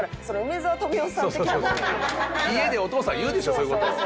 家でお父さん言うでしょそういう事。